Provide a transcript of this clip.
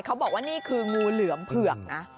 เขาบอกว่านี่คืองูเหลือมเผือกนะ